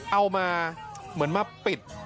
เอามามันมาปิด